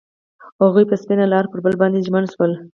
هغوی په سپین لاره کې پر بل باندې ژمن شول.